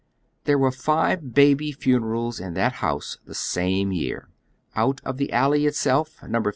Tiiero wem five baby funerals in that house the same year. Out of the alley itself, No.